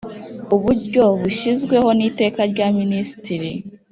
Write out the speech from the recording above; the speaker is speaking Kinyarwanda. uburyo bushyizweho n Iteka rya Minisitiri